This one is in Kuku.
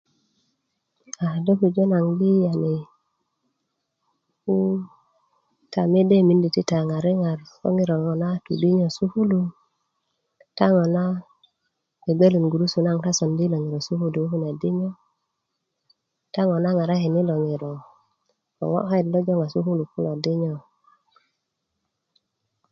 a do pujö naŋ di yani ko ta mede mindi ti ta ŋare ŋar ko ŋiro ŋona tu dinyo sukulu ta ŋona bgebgelun gurusu na sondi yilo ŋiro i sukulu yu kune dinyo ta ŋona ŋarakin yilo ŋiro ko ŋo' kayit lo joŋa sukulu kulo dinyo